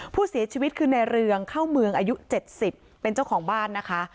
ผู้เสียชีวิตคือในเรืองเข้าเมืองอายุ๗๐เป็นเจ้าของบ้านนะคะ